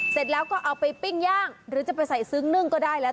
เสร็จแล้วก็เอาไปปิ้งย่างหรือจะไปใส่ซึ้งนึ่งก็ได้แล้ว